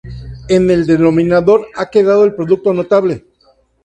En el denominador ha quedado el producto notable.